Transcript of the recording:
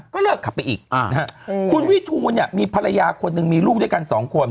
ก็เลิกขับไปอีกคุณวิทูลเนี่ยมีภรรยาคนหนึ่งมีลูกด้วยกันสองคน